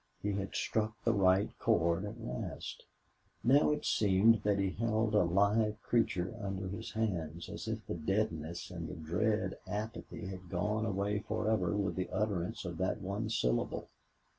He had struck the right chord at last. Now it seemed that he held a live creature under his hands, as if the deadness and the dread apathy had gone away forever with the utterance of that one syllable.